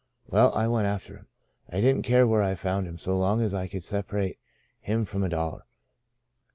Well, I went after him. I didn't care where I found him so long as I could separate him from a dollar.